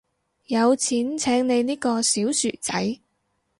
有錢請你呢個小薯仔